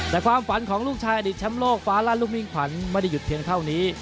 แต่ความฝันของลูกชายอดีตแชมป์โลกฟ้าลั่นลูกมิ่งขวัญไม่ได้หยุดเพียงเท่านี้